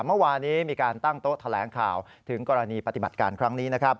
เมื่อวานี้มีการตั้งโต๊ะแถลงข่าวถึงกรณีปฏิบัติการครั้งนี้นะครับ